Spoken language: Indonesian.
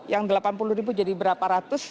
yang delapan puluh ribu jadi berapa ratus